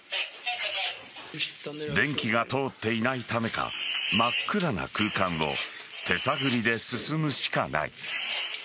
電気が通っていないためか真っ暗な空間を手探りで進むしかない。